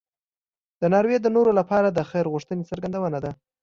درناوی د نورو لپاره د خیر غوښتنې څرګندونه ده.